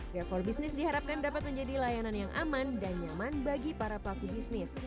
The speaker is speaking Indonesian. reform business diharapkan dapat menjadi layanan yang aman dan nyaman bagi para pelaku bisnis